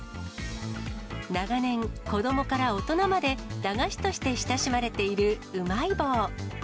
長年、子どもから大人まで、駄菓子として親しまれているうまい棒。